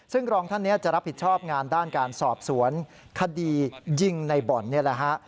ซึ่งรองท่านนี้จะรับผิดชอบงานด้านการสอบสวนคดียิงในบ่อนนี่แหละฮะ